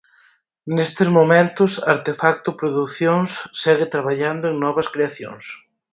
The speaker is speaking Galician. Nestes momentos, Artefacto Producións segue traballando en novas creacións.